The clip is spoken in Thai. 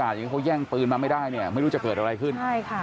อย่างนี้เขาแย่งปืนมาไม่ได้เนี่ยไม่รู้จะเกิดอะไรขึ้นใช่ค่ะ